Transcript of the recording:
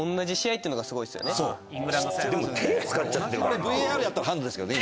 あれＶＡＲやったらハンドですけどね